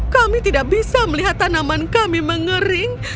kami tidak bisa melihat tanaman kami mengering